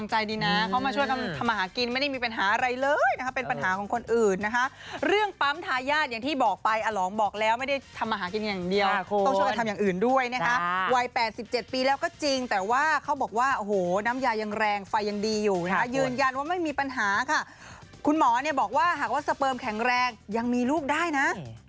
หมอเนี่ยบอกว่าหากว่าสเปิร์มแข็งแรงยังมีลูกได้นะ